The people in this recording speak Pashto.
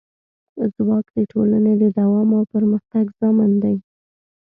ځواک د ټولنې د دوام او پرمختګ ضامن دی.